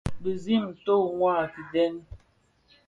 Bizim nto le mua a kiden.